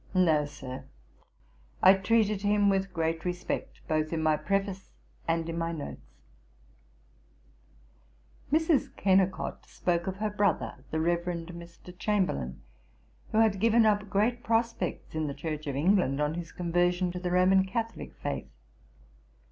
'No, Sir, I treated him with great respect both in my Preface and in my Notes.' Mrs. Kennicot spoke of her brother, the Reverend Mr. Chamberlayne, who had given up great prospects in the Church of England on his conversion to the Roman Catholick faith.